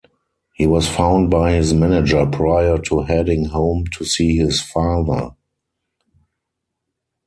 He was found by his manager prior to heading home to see his father.